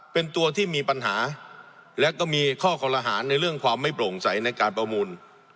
เป็นตัวที่มีปัญหาและก็มีข้อคอลหารในเรื่องความไม่โปร่งใสในการประมูล